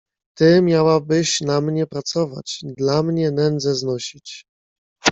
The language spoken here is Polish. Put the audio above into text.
"Ty, miałabyś na mnie pracować, dla mnie nędzę znosić!"